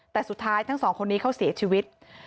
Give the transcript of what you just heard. แต่สุดท้ายทั้งสองคนนี้เขาเสียชีวิต